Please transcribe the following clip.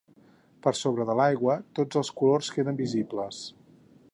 Per sobre de l'aigua, tots els colors queden visibles.